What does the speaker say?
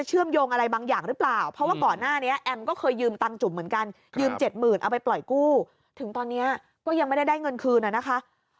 เจ็ดหมื่นเอาไปปล่อยกู้ถึงตอนเนี้ยก็ยังไม่ได้ได้เงินคืนน่ะนะคะ